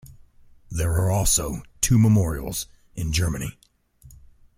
There are also two memorials in Germany.